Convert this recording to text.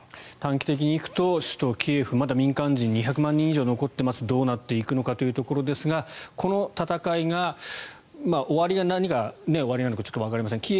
短期的に行くと首都キエフまだ民間人２００万人以上が残っていますどうなっていくのかというところですがこの戦いが何が終わりなのかわかりません。